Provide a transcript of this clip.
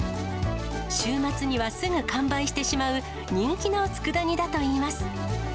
週末にはすぐ完売してしまう、人気のつくだ煮だといいます。